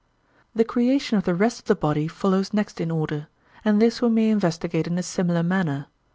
The creation of the rest of the body follows next in order, and this we may investigate in a similar manner.